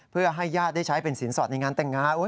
เพื่อให้ญาติได้ใช้เป็นสินสอดในงานแต่งงาน